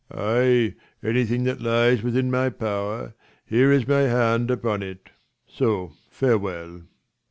Ay, anything that lies within my power. Here is my hand upon it, so farewell.